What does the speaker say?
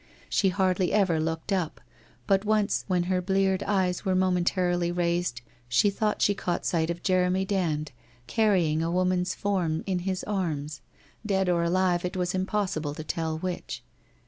She hardly ever looked up, but once when her bleared eyes were momentarily raised, she thought she caught sight of Jeremy Dand carrying a woman's form in his arms, dead or alive, it was impossible to tell which.